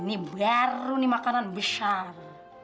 ini baru nih makanan besar